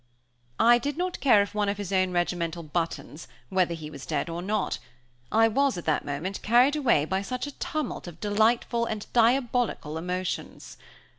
I did not care one of his own regimental buttons, whether he was dead or not; I was, at that moment, carried away by such a tumult of delightful and diabolical emotions!